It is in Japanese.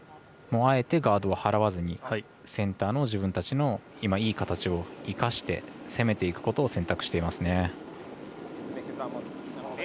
あえてガードは払わずにセンターの自分たちのいい形を生かして攻めていくことを選択していますね。